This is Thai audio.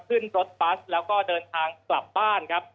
ขึ้นรถบัสแล้วก็เดินทางกลับบ้านครับ